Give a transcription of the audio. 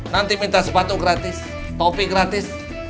nanti minta sepatu gratis topi gratis